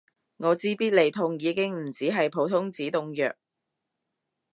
我知必理痛已經唔止係普通止痛藥